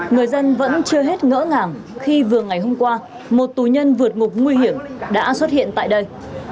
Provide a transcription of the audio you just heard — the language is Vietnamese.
người dân vẫn chưa hết ngỡ ngàng khi vừa ngày hôm qua một tù nhân vượt ngục nguy hiểm đã xuất hiện tại đây